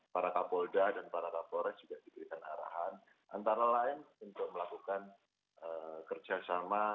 para kapolda dan para kapolres juga diberikan arahan antara lain untuk melakukan kerjasama